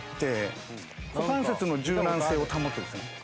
股関節の柔軟性を保つんですね。